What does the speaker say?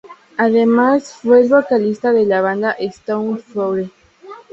Además fue el vocalista de la banda "Stone Fury".